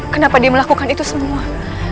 kenapa dia melakukan itu semua